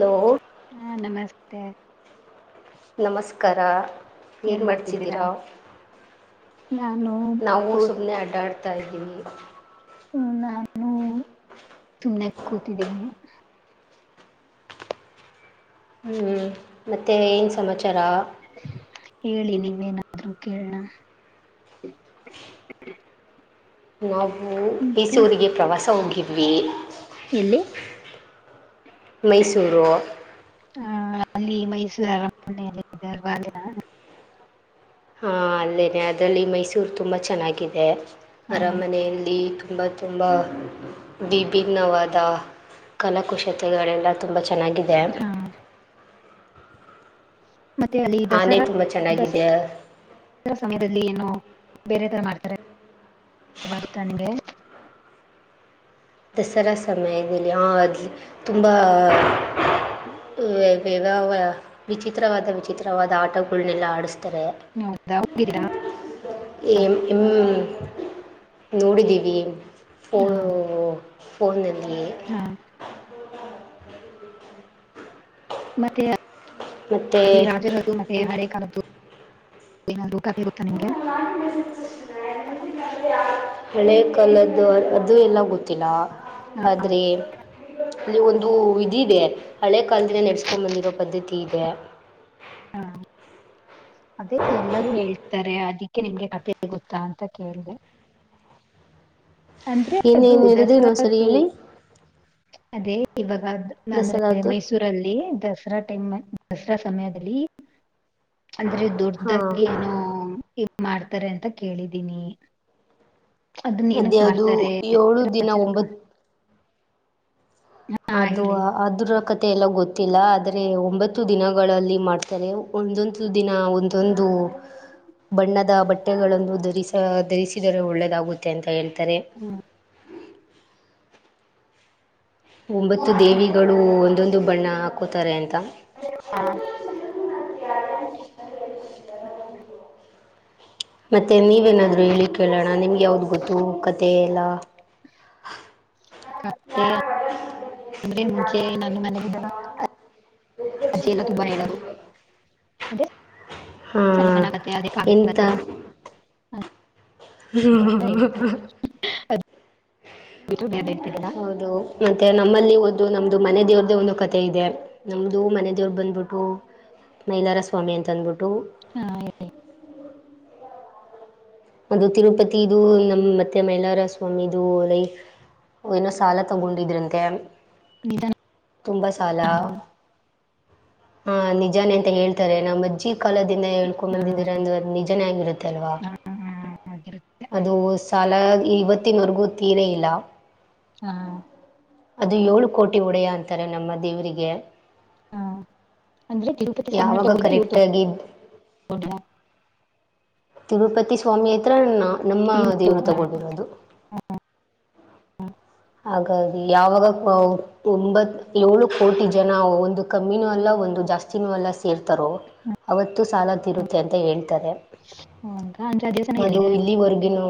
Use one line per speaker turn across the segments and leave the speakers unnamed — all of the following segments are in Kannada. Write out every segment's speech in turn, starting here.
ಹಲೋ,
ಹಾ, ನಮಸ್ತೆ
ನಮಸ್ಕಾರ ಏನು ಮಾಡ್ತಿದ್ದೀರಾ?
ನಾನು
ನಾವು
ಕೂತ್
ಸುಮ್ಮನೆ ಅಡ್ಡಾಡ್ತಾಯ್ದೀವಿ.
ಹ್ಮ, ನಾನು ಸುಮ್ನೆ ಕೂತಿದ್ದೀನಿ.
ಹ್ಮ್, ಮತ್ತೆಏನು ಸಮಾಚಾರ
ಹೇಳಿ ನೀವೇನಾದ್ರು ಕೇಳಣ
ನಾವು
ಮತ್ತೆ
ಮೈಸೂರಿಗೆ ಪ್ರವಾಸ ಹೋಗಿದ್ವಿ.
ಎಲ್ಲಿ?
ಮೈಸೂರು
ಹ ಅಲ್ಲಿ ಮೈಸೂರು ಅರಮನೆಯಲ್ಲ ಇದೆಯಲ್ಲ ಅದೇನಾ [unintelligible]
ಹಾ, ಅಲ್ಲೇನೆ ಅದರಲ್ಲಿ ಮೈಸೂರು ತುಂಬಾ ಚೆನ್ನಾಗಿದೆ.
ಹಾ
ಅರಮನೆಯಲ್ಲಿ- ತುಂಬ, ತುಂಬ ವಿಭಿನ್ನವಾದ ಕಲಾಕುಶತೆಗಳೆಲ್ಲ ತುಂಬ ಚೆನ್ನಾಗಿದೆ.
ಹಾ ಮತ್ತೆ ಅಲ್ಲಿ
ಆನೆ
ದಸರಾ [unintelligible]
ತುಂಬ ಚೆನ್ನಾಗಿದೆ
ದಸರಾ ಸಮಯದಲ್ಲಿ ಏನೋ ಬೇರೆ ತರ ಮಾಡ್ತಾರೆನಿಮಗೆ [unintelligible]
ದಸರಾ ಸಮಯದಲ್ಲಿ ಹಾ ತುಂಬಾ ವ್ಯವ ವಿಚಿತ್ರವಾದ -ವಿಚಿತ್ರವಾದ ಆಟಗಳನ್ನೆಲ್ಲ ಹಾಡಿಸುತ್ತಾರೆ.
ಹೌದಾ ಹೋಗಿರಾ [unintelligible]
ಏ ಹ್ಮ್, ನೋಡಿದೀವಿ- ಫೋ
ಹಾ
ಫೋನಲ್ಲಿ
ಹಾ [inaudible] ಮತ್ತೆ
ಮತ್ತು
ಅದ ರಾಜರದ್ದು ಮತ್ತೆ ಹಳೆ ಕಾಲದ್ದು [unintelligible]
ಸ [unintelligible] ಹಳೆ ಕಾಲದ್ದು ಅದು ಎಲ್ಲ ಗೊತ್ತಿಲ್ಲ
ಹಾ
ಆದ್ರೆ ಇಲ್ಲಿ ಒಂದು ವಿಧಿ ಇದೆ ಹಳೆ ಕಾಲದಿಂದ ನಡ್ಸ್ಕೊಂಡ್ ಬಂದಿರೋ ಪದ್ಧತಿ ಇದೆ.
ಹಾ
[inaudible]
ಅದೇ ಎಲ್ಲರೂ ಹೇಳ್ತಾರೆ ಅದಿಕ್ಕೆ ನಿಮ್ಗೆ ಕಥೆ ಗೊತ್ತಾ ಅಂತ ಕೇಳಿದೆ.
[inaudible]
ಅಂದ್ರೆ ಅದು
ಏನೇನು ಹೇಳಿದ್ರಿ ಇನ್ನೊಂದ್ಸರಿ
ದಸಾರದ್ದು
ಹೇಳಿ
ಅದೇ ಇವಾಗ ಅಂದ್ರೆ
ದಸರಾದ್ದು
ಮೈಸೂರಲ್ಲಿ ದಸರಾ ಟೈಮ್, ದಸರಾ ಸಮಯ [unintelligible] ಅಂದ್ರೆ
ಹಾಂ
ದೊಡ್ಡಾಗಿ ಏನುಇದ ಮಾಡ್ತಾರೆ ಅಂತ ಕೇಳಿದೀನಿ. ಅದನ್ನ ಏನಕ್
ಅದ್ಯಾವುದು ಏಳು ದಿನ
ಮಾಡ್ತಾರೆಚರ [unintelligible]
ಒಂಬತ್ತು
ಹಾ
ಅದು
ಹೇಳಿ.
ಅದರ ಕಥೆ ಎಲ್ಲಾ ಗೊತ್ತ್ ಗೊತ್ತಿಲ್ಲ ಆದ್ರೆ ಒಂಬತ್ತು ದಿನಗಳಲ್ಲಿ ಮಾಡ್ತಾರೆ ಒಂದೊಂದು ದು ದಿನ ಒಂದೊಂದು ಬಣ್ಣದ ಬಟ್ಟೆಗಳನ್ನು ಧರಿಸಿ ಧರಿಸಿದರೆ ಒಳ್ಳೇದಾಗುತ್ತೆ ಅಂತ ಹೇಳ್ತಾರೆ.
ಹ್ಮ್
ಒಂಬತ್ತು ದೇವಿಗಳು ಒಂದೊಂದು ಬಣ್ಣ ಹಾಕೋತಾರೆ ಅಂತ.
ಹಾ [unintelligible]
ಮತ್ತೆ ನೀವೇನಾದರೂ ಹೇಳಿ ಕೇಳೋಣ ನಿಮ್ಗೆ ಯಾವ್ದು ಗೊತ್ತು ಕಥೆ ಎಲ್ಲಾ.
ಕಥೆ ಅಂದ್ರೆ ಮುಂಚೆ ನ ಮ [unintelligible] ಅಜ್ಜೆ ಎಲ್ಲ ತುಂಬಾ ಹೇಳರು ಅದೇ [unintelligible] ಚನ್ನ
ಹಾಂ
ಚೆನ್ನ ಕತೆೆ ಅದೇ ಕಾಗ ಕತೆ [unintelligible]
ಹ್ಮ
ಅದು ಬಿಟ್ರೆ ಬೇರೆ ಹೇಳ್ತಿದ್ರಲ್ಲ
ಹೌದು ಮತ್ತೆ ನಮ್ಮಲ್ಲಿ ಒಂದು ನಮ್ದು ಮನೆ ದೇವ್ರ್ದೇ ಒಂದು ಕತೆೆ ಇದೆ ನಮ್ದು ಮನೆ ದೇವ್ರ ಬಂದ್ಬಿಟ್ಟು ಮೈಲಾರಸ್ವಾಮಿ ಅಂತಂದ್ಬಿಟ್ಟು
ಹಾ
ಅದು ತಿರುಪತಿದು ನಮ್ಮ್ ಮತ್ತೆ ಮೈಲಾರಸ್ವಾಮಿದು ಲೈ ಏನೋ ಸಾಲ ತಗೊಂಡಿದ್ರಂತೆ.
ನಿಧಾನ
ತುಂಬಾ ಸಾಲ ಹಾ ನಿಜಾನೆ ಅಂತ ಹೇಳ್ತಾರೆ ನಮ್ಮಜ್ಜಿದ್ ಕಾಲದಿಂದ
ಆ
ಹೇಳ್ಕೊಂಬಂದಿದ್ರೆ ಅದು ನಿಜಾನೇ ಆಗಿರುತ್ತೆ ಅಲ್ವಾ‌
ಹ್ಮೊ ಅದ
ಅದು ಸಾಲ ಇವತ್ತಿನವರೆಗೂ ತೀರೇ ಇಲ್ಲ.
ಹಾ
ಅದು ಏಳು ಕೋಟಿ ಒಡೆಯ ಅಂತಾರೆ ನಮ್ಮ ದೇವರಿಗೆ.
ಆ ಅಂದ್ರೆ ತಿರುಪತಿ ಸ್ವಾಮಿಯವ್ರು
ಯಾವಾಗ
ತಗೊಂಡಿದ್ದ ಇವ್ರು
ಕರೆಕ್ಟ್ ಆಗಿ ತಿರುಪತಿಸ್ವಾಮಿ ಹತ್ರನ್ನೂ ನಮ್ಮ ದೇವರು ತಗೊಂಡಿರೋದು.
ಹ್ಮ
ಹಾಗಾಗಿ ಯಾವಾಗ ಒಂಬತ್ ಏಳು ಕೋಟಿ ಜನ ಒಂದು ಕಮ್ಮಿನೂ ಅಲ್ಲ ಒಂದು ಜಾಸ್ತ್ ತ್ತಿನೂ ಎಲ್ಲ ಸೇರ್ತಾರೋ ಅವತ್ತು ಸಾಲ ತಿರುತ್ತೆ ಅಂತ ಹೇಳ್ತಾರೆ.
ಅಂದ್ರೆ ಆ ದೇವಸ್ಥಾನ
ಅದು
ಎಲ್ಲಿದೆ
ಇಲ್ಲಿವರ್ಗನು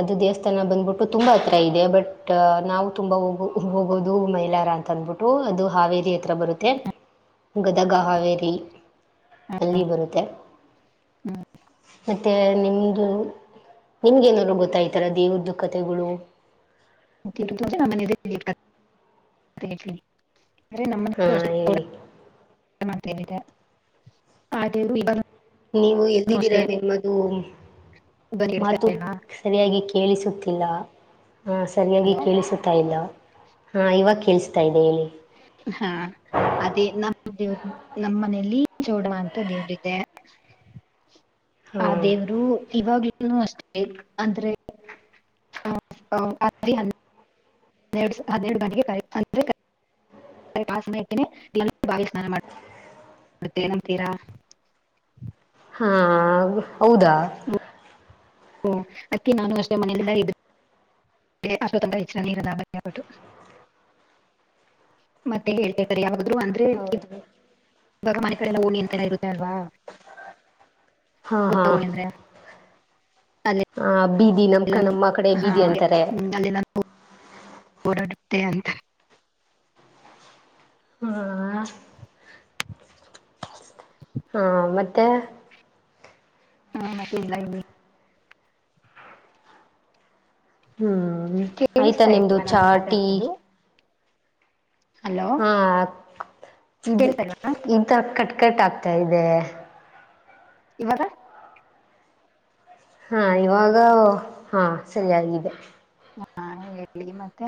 ಅದು ದೇವಸ್ಥಾನ ಬಂದ್ಬಿಟ್ಟು ತುಂಬಾ ಹತ್ರ ಇದೆ ಬಟ್ ನಾವು ತುಂಬಾ ಹೋಗ ಹೋಗೋದು ಮೈಲಾರ ಅಂತ ಅಂದ್ಬಿಟ್ಟ್ ಟ್ಟೂ ಅದು ಹಾವೇರಿ ಹತ್ರ ಬರುತ್ತೆ ಗದಗ ಹಾವೇರಿ ಅಲ್ಲಿ ಬರುತ್ತೆೆ
ಹ್ಮ್
ಹ ತ್ತೆ ನಿಮ್ದು ನಿಮ್ಗೆ ಏನಾದ್ರು ಗೊತ್ತಾಯ ತರ ದೇವರದೂ ಕತೆೆಗಳು.
ತಿರುಪತಿ ನಮ್ಮ ದೇವರೆ ನಮ್ಮ
ಹಾಂ ಹೇಳಿ
[unintelligible] ಆ ದೇವ್ರು ಇವಾಗ
ನೀವು ಎಲ್ದೀರ ನಿಮ್ಮದು
ಬಂದ್ ಇಡ್ತಾ
ಮಾತು
ಇಲ್ವಾ
ಸರಿಯಾಗಿ ಕೇಳಿಸುತ್ತಿಲ್ಲ ಹ ಸರಿಯಾಗಿ ಕೇಳಿಸುತ್ತ್ ತ ಇಲ್ಲ ಹಾ ಇವಾಗ ಕೇಳಿಸತಾ ಇದೆ ಹೇಳಿ.
ಹಾ ಅದೇ ನಮ್ಮ ದೇವರ ನಮ್ಮ್ ಮನೆಯಲ್ಲಿ ಜೋಡುವ ಅಂತ ದೇವರು ಇದೆ.
ಹಾ
ಆ ದೇವರು ಇವಾಗ್ಲೂ ಅಷ್ಟೇ ಅಂದ್ರೆ ಹ ಹದೆರಡು ಬಿಗೆ ಅಂದ್ರೆ [unintelligible] ಪಾಸನತೇನಿ ಬಾವ ಸ್ನಾನ ಮಾಡೇ ನಂಬತೀರಾ [unintelligible]
ಹಾ, ಹೌದಾ!
ಓ ಅಕ್ಕಿ ನಾನು ಅಷ್ಟೇ ಮನೆಯಲ್ಲ ಇದ್ದ [unintelligible] ಅಸ್ವದ ಕಳಚ ನೀ ಇರುದಯಪಟ್ಟು [unintelligible] [inaudible] ಮತ್ತೆ ಹೇಳ್ತೇತಾರೆ ಯಾರಾದ್ರು ಅಂದ್ರೆ
ಹೌದು
ಇವಾಗ ಮನೆ ಕಡೆಲ್ಲ ಓಣಿ ಎಂತೆಲ್ಲ ಇರುತ್ತೆ ಅಲ್ವಾ
ಹಾ, ಹಾ
ಗೊತ್ತಾ ಓಣಿ ಅಂದ್ರೆ
ಹ, ಬೀದಿ ನಮ್ಕ,
ಅಲ್ಲೆಲ್ಲಾನು
ನಮ್ಮ ಕಡೆ
ಹಾ
ಬೀದಿ ಅಂತಾರೆ.
[unintelligible] ಹೊಓರಡುತ್ತೆ ಅಂತ [unintelligible]
ಹಾ, ಹಾ ಮತ್ತೆ
ಹ್ಮ್, ಮತ್ತೆ ಇಲ್ಲ ಇಲ್ಲಿ
ಹ್ಮ್, ಆಯ್ತಾ
ಕೇಳಿಸ್ತಾ
ನಿಮ್ದು
ಇಲ್ವಾ ನಾನು
ಚಾ, ಟಿ
ಮಾತಾಡೋದು ಹಲೋ
ಹಾ, ಇದು
ಕೇಳಿಸ್ತಾ ಇಲ್ವಾ
ಇಂಥ ಕಟ್ ಕಟ್ ಆಗ್ತಾ ಇದೆ.
ಇವಾಗ
ಹಾ, ಇವಾಗ ಹಾ, ಸರಿಯಾಗಿದೆ.
ಹಾ, ಹೇಳಿ ಮತ್ತೆ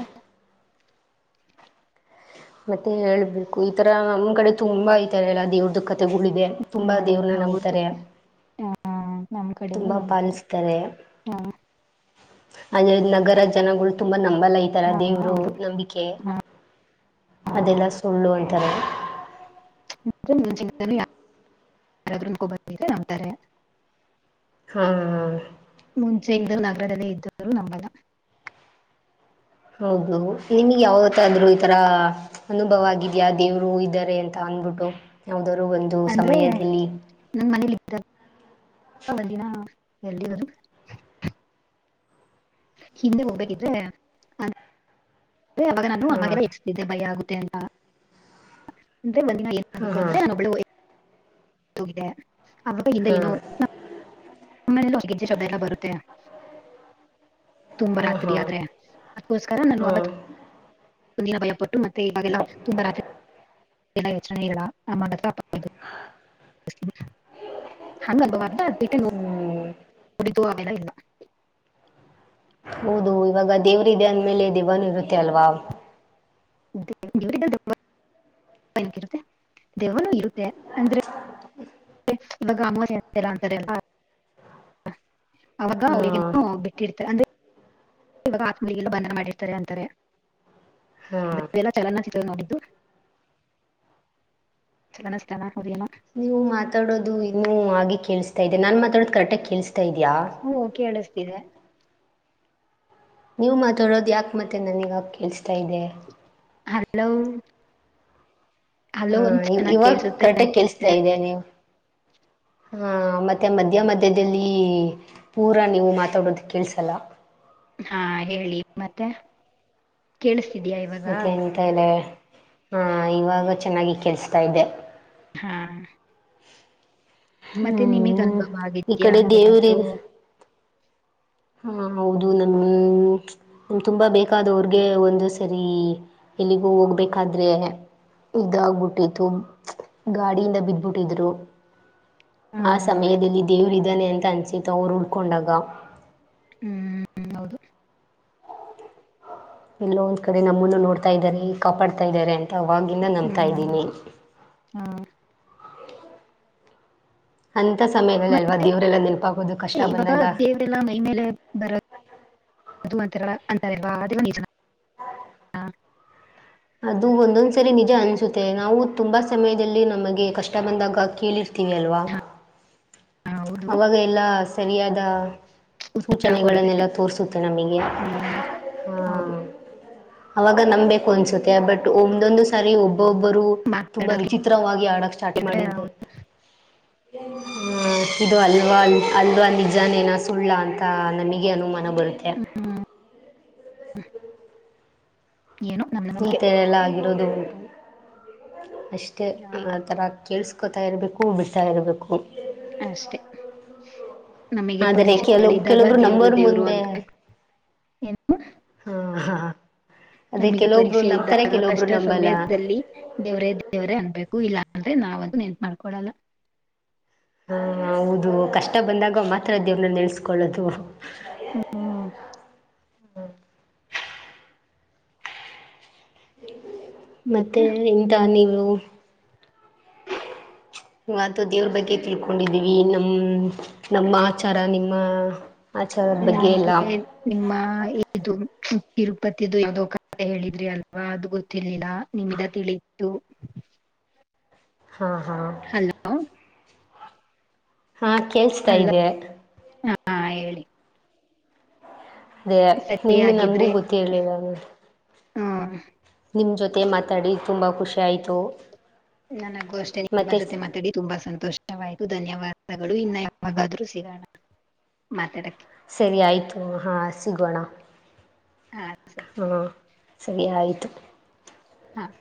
ಮತ್ತೆ ಹೇಳ್ಬೇಕು ಈತರ ನಮ್ ಕಡೆ ತುಂಬಾ ಐತಾರೆ ಎಲ್ಲ ದೇವ್ರ್ದು ಕತೆಗಳಿದೆ. ತುಂಬಾ
ಹ್ಮ್
ದೇವ್ರನ್ನ
ಹೌದು
ನಂಬತಾರೆ.
ಆ, ನಮ್ ಕಡೆನು
ತುಂಬಾ
ನಂಬ್ತಾರೆ
ಪಾಲಿಸ
ಆ,
ಅಂದ್ರೆ ನಗರ ಜನಗಳು ತುಂಬಾ ನಂಬಲ್ಲಾ. ಇ ಒಂತರ
ಆ,
ದೇವರು
ಹೌದು
ನಂಬಿಕೆ ಅದೆಲ್ಲಾ ಸುಳ್ಳು ಅಂತಾರೆ.
ಯಬ ನಾವ್ತಾರೆ [unintelligible]
ಹಾ [inaudible]
ಮುಂಚೆ ಇದ್ರ ನಗಾಡಲ್ಲೇ ಇದ್ದ್ರು ನಂಬಲ್ಲಾ
ಹೌದು, ನಿಮ್ಗೆ ಯಾವತ್ತಾದ್ರು ಈ ತರ ಅನುಭವ ಆಗಿದ್ಯಾ ದೇವ್ರು ಇದ್ದಾರೆ ಅಂತ ಅಂದಬಿಟ್ಟು ಯಾವ್ದರಾ ಒಂದು
ಅಂದ್ರೆ
ಸಮಯದಲ್ಲಿ.
ನನ್ ಮನೇಲಿ ಒ [unintelligible] ನ ಎಲ್ದಿರರು ಹಿಂದೆ ಹೋಗ್ಬೇಕಿದ್ರೆ- ಅವಾಗ ನಾನು
ಹಾಂ
ಅಮ್ಮಾಗೆ ಎಬ್ಬಿಸುತ್ತಿದ್ದೆ ಭಯ ಆಗುತ್ತೆ ಅಂತ ಅಂದೆ. -
ಹಾಂ
ಆ
ಹಾಂ
ಅಂದ್ರ ಬಿ [inaudible] ತೋಗಿದೆ ಅವಾಗ
ಹಾಂ
ಏನೋ [unintelligible] ಆಲೆ ಗಜ್ಜೆ ಶಬ್ದದೆಲ್ಲ ಬರುತ್ತೆ [unintelligible] ತುಂಬಾ
ಹಾಂ
ರಾತ್ರಿ
ಹಾಂ
ಆದ್ರೆ ಅದಕೋಸ್ಕರ ನನ್
ಹಾಂ
ಅವತ್ತು [unintelligible] ಹಂದಿನ ಭಯಪಟ್ಟ ಮತ್ತೆವಾಗ ತುಂಬ [unintelligible] [inaudible] ಎಲ್ಲ ಯೋಚನೆ ಇಲ್ಲ ಆ ಮದು [unintelligible] ಹಂಗ ವರ್ದ ಅರ್ [unintelligible]
ಹ್ಞೂ
ಕುಡಿತು ಆೆಲ್ಲ ಇಲ್ಲ [unintelligible] [inaudible]
ಹೌದು! ಇವಾಗ ದೇವ್ರ ಇದೇ ಅಂದ್ಮೇಲೆ ದೇವ್ವನು ಇರುತ್ತೆ ಅಲ್ವಾ.
ಗುಡ್ [unintelligible] ಕಿ ಇರುತ್ತೆ, [unintelligible] ದೇವ್ವನು ಇರುತ್ತೆ ಅಂದ್ರೆ
ಆಯ್ತಾ [unintelligible]
ಇವಮ್ಮ ಅಂತಾರೆ [unintelligible] ಅವಾಗ
ಹಾ
ಅವಗನು ಬಿಟ್ಟಿರ್ತಾರೆ ಅಂದ್ರೆ ಇವಾಗ ಆತ್ಮಲಿಗೆಲ್ಲ ಬಂಧನ ಮಾಡಿರ್ತಾರೆ ಅಂತಾರೆ
ಹಾ
[unintelligible] [unintelligible] ಎಲ್ಲ ಚಲನ ಚಿತ್ರ ನೋಡಿದ್ದು. ಚನಸ್ತಾನ ಹದೇನ [unintelligible]
ನೀವು ಮಾತಾಡೋದು ಇನ್ನೂ ಹಾಗೆ ಕೇಳಿಸ್ತಾ ಇದೆ ನಾನ ಮಾತಾಡೋದ ಕರೆಕ್ಟಾಗಿ ಕೇಳಿಸತಾ ಇದೆಯಾ
ಹ್ಮ ಕೇಳಿಸ್ತಿದೆ.
ನೀವು ಮಾತಾಡೋದು ಯಾಕೆ ಮತ್ತ ನನಗ ಆಗ ಕೇಳಿಸ್ತಾ ಇದೆ
[inaudible] ಹಲೋ
ಹಾ
ಒಂದ್ ಚೆನ್ನಾಗ್
ಇವಾಗ
ಕೇಳ್ಸುತ್ತೆ
ಕರೆಕ್ಟ್ ಆಗಿ ಕಲ್ಸ್ತಾ
ಅನ್ಸುತ್ತೆ
ಇದೀಯ ನೀವು [inaudible] ಹಾ ಮತ್ತೆ ಮಧ್ಯ ಮಧ್ಯದಲ್ಲಿ ಪೂರ ನೀವು ಮಾತಾಡೋದು ಕೇಳಿಸಲ್ಲ
ಹಾ ಹೇಳಿ ಮತ್ತೆ [inaudible] ಕೇಳಿಸ್ತಿದಯ ಇವಾಗ
ತದೆ ಹಾ ಇವಾಗ ಚೆನ್ನಾಗಿ ಕೆಲ್ಸ್ತಾ ಇದೆ
ಹಾ ಮತ್ತೆ ನಿಮಗ್
ಹ್ಮ್
ಅನುಭವ
ಈ
ಆಗಿದ್ಯಾ
ಕಡೆ ದೇವ್ರ
ಹಂಗೇನಾದ್ರು
ಹಾ ಹೌದು ನಮ್ಮವ ತುಂಬಾ ಬೇಕಾದವ್ರಗೆ ಒಂದು ಸರಿ ಎಲ್ಲಿಗೂ ಹೋಗ್ಬೇಕಾದ್ರೆ ಇದಾಗಬಿಟ್ಟಿತ್ತು. ಗಾಡಿಯಿಂದ ಬಿದ್ದಬಿಟ್ಟಿದ್ರು. ಆ ಸಮಯದಲ್ಲಿ ದೇವ್ರು ಇದಾನೆ ಅಂತ ಅನ್ಸತ್ತು ಅವರು ಉಳ್ಕೊಂಡಾಗ
ಹ್ಮ್ ಹ್ಮ್ ಹೌದು
ಎಲ್ಲೋ ಒಂದ್ ಕಡೆ ನಮ್ಮನ್ನು ನೋಡ್ತಾ ಇದ್ದಾರೆ ಕಾಪಾಡ್ತಾ ಇದಾರೆ ಅಂತ ಅವಾಗಿಂದ ನಂಬ್ತಾ
ಹ್ಮ್
ಇದೀನಿ.
ಹಾ
ಅಂಥ ಸಮಯದಲ್ಲಿ ಅಲ್ವಾ ದೇವರೆಲ್ಲ ನೆನಪಾಗೋದು ಕಷ್ಟ ಬಂದಾಗ
ಯಲ್ಲ ಮೈಮೇಲೆ ಬರ [inaudible] ಅದು ಅಂತಲ್ಲ ಬಾಳ ಜನ ಅದು ನಿಜಾನಾ
ಅದು ಒಂದೊಂದ್ಸರಿ ನಿಜ ಅನಸುತ್ತೆ ನಾವು ತುಂಬಾ ಸಮಯದಲ್ಲಿ ನಮಗೆ ಕಷ್ಟ ಬಂದಾಗ ಕೇಳ ತಿಳಿಯಲ್ಲ್ವಾ
ಹಾ ಹೌದು
[inaudible] ಅವಾಗ ಎಲ್ಲಾ ಸರಿಯಾದ
ಜ್ವರ
ಸೂಚನೆಗಳನ್ನೆಲ್ಲ
ಕೊಡುತ್ತೆ
ತೋರಿಸುತ್ತೆ ನಮಗೆ
ಹ್ಮ್ ಹೌದು
[inaudible] ಹಾ ಅವಾಗ ನಂಬ್ಬೇಕು ಅನ್ಸುತ್ತೆ ಬಟ್ ಒಂದ್ದೊಂದು ಸಾರಿ ಒಬ್ಬೊಬ್ಬರು ತುಂಬಾ
ಮಾತಾಡೋದ್
ವಿಚಿತ್ರವಾಗಿ ಆಡಕ್ ಸ್ಟಾರ್ಟ್
ಕೇಳಿದ್ರೆ
ಮಾಡಿದ್ದೆ [inaudible] ಆ ಇದು ಅಲ್ವಾ ಅಲ್ವಾ ನಿಜಾನೇನ ಸುಳ್ಳ ಅಂತ ನಮಗೆ ಅನುಮಾನ ಬರುತ್ತೆ.
ಹ್ಮ ಏನೋ ನಮ್ ನಂಬಿಕೆ
ಈತ ಎಲ್ಲ ಆಗಿರೋದು [inaudible] ಅಷ್ಟೇ ಆಥರ ಕೇಳ್ಸ್ಕೊತಾ ಇರ್ಬೇಕು ಬಿಡ್ತಾ ಇರ್ಬೇಕು
ಅಷ್ಟೇ. ನಮಗೆ
ಆದರೆ ಕೆಲವು
ಪರೀಕ್ಷೆಗಳಿದಾಗ
ಕೆಲವೊಬ್ರು
ದೇವ್ರು
ನಂಬೋರ್
ದೇವ್ರು
ಮುಂದೆ
ಅಂತ [inaudible] ಏನು
ಹಾ ಹಾ ಅದೇ
ನಮಗೆ
ಕೆಲವೊಬ್ರು
ಪರೀಕ್ಷೆ
ನಂಬ್ತಾರೆ
ಇದ್ದಾಗ
ಕೆಲವೊಬ್ರು
ಕಷ್ಟ
ನಂಬಲ್ಲ
ಸಮಯದಲ್ಲಿ ದೇವ್ರೇ ದೇವರೇ ಅನ್ನಬೇಕು ಇಲ್ಲಾ ಅಂದ್ರೆ ನಾವ ಅದು ನೆನಪ ಮಾಡ್ಕೊಳಲ್ಲಾ
ಹ ಹೌದು ಕಷ್ಟ ಬಂದಾಗ ಮಾತ್ರ ದೇವರನ ನೆನಸ್ಕೊಳ್ಳೋದು.
ಹ್ಮ್ಮ್
ಮತ್ತೆ ಯಂತ ನೀವು ಆತ ದೇವ್ರ ಬಗ್ಗೆ ತಿಳ್ಕೊಂಡಿದ್ದೀವಿ ನಮ್ಮ ನಮ್ಮ ಆಚಾರ ನಿಮ್ಮ ಆಚಾರದ ಬಗ್ಗೆ ಎಲ್ಲ
ನಂಗೆ ನಿಮ್ಮಇದು ತಿರುಪತಿದು ಯಾವದ್ ಕಥೆ ಹೇಳಿದ್ರಿ ಅಲ್ವಾ ಅದು ಗೊತ್ತಿರ್ಲಿಲ್ಲ ನಿಮ್ಮಿಂದ ತಿಳಿತ್ತು.
ಹಾ ಹಾ
ಅಲ್ಲ
ಹಾ ಕೇಳಸ್ತಾ
ಅಲ್ಲ
ಇದೆ.
ಹಾ ಹೇಳಿ
ಅದೇ
ಸರಿ
ನಿಮ್ ನಮಗೂ
ಹಾಗಿದ್ರೆ
ಬುದ್ದಿ ಹೇಳಿದ್ದಾನೆ.
ಹ್ಮ್
ನಿಮ್ಮ ಜೊತೆ ಮಾತಾಡಿ ತುಂಬ ಖುಷಿ ಆಯಿತು.
ನನಗೂ ಅಷ್ಟೇ ನಿಮ್ಮ ಜೊತೆ ಮಾತಾಡಿ ತುಂಬಾ ಸಂತೋಷ ವಾಯಿತು. ಧನ್ಯವಾದಗಳು ಇನ್ನ ಯಾವಾಗಾದ್ರೂ ಸಿಗೋಣ ಮಾತಾಡಕ್ಕೆ
ಸರಿ ಆಯ್ತು, ಹಾ ಸಿಗೋಣ
ಹಾ
ಹಾ ಸರಿ, ಆಯಿತು
ಹಾ [inaudible]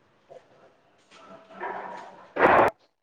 ಹ [inaudible]